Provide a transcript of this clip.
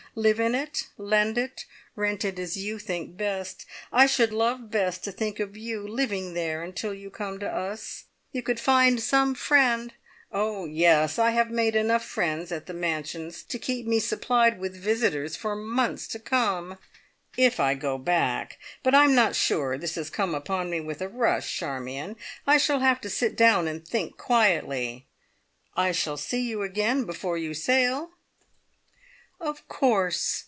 Live in it, lend it, rent it as you think best. I should love best to think of you living there, until you come to us. You could find some friend " "Oh, yes! I have made enough friends at the `Mansions' to keep me supplied with visitors for months to come. If I go back. But I'm not sure. This has come upon me with a rush, Charmion. I shall have to sit down, and think quietly. I shall see you again before you sail?" "Of course."